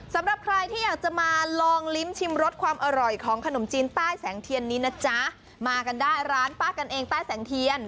สำหรับใครที่อยากจะมาลองลิ้มชิมรสความอร่อยของขนมจีนใต้แสงเทียนนี้นะจ๊ะมากันได้ร้านป้ากันเองใต้แสงเทียน